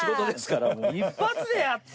一発でやった！